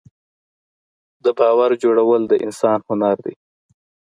د باور جوړول د انسان هنر دی.